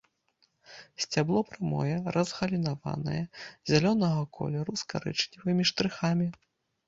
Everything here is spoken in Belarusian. Сцябло прамое, разгалінаванае, зялёнага колеру з карычневымі штрыхамі.